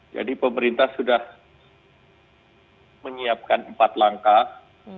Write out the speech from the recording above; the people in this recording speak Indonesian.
jadi pemerintah sudah menyiapkan empat langkah